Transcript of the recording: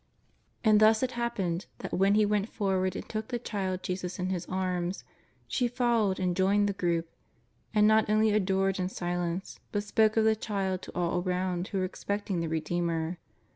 And thus it happened that when he went forward and took the Child Jesus into his arms, she followed and joined the group, and not only adored in silence, but spoke of the Child to all around who were expecting the Redeemer.